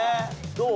どう？